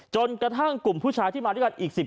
จนกระทั่งกลุ่มผู้ชายที่มาด้วยกันอีก๑๐